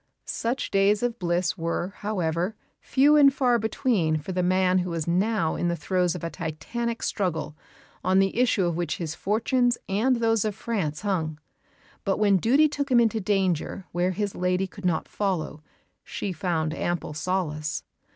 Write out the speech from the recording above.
Such days of bliss were, however, few and far between for the man who was now in the throes of a Titanic struggle, on the issue of which his fortunes and those of France hung. But when duty took him into danger where his lady could not follow, she found ample solace.